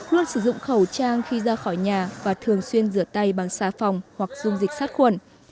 luôn sử dụng khẩu trang khi ra khỏi nhà và thường xuyên rửa tay bằng xà phòng hoặc dung dịch sát khuẩn